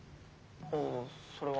あそれは。